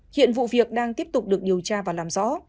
hiện vụ việc đang tiếp tục được điều tra và làm rõ